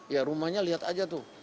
ya rumahnya lihat aja tuh